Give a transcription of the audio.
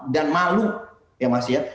dan malu ya mas ya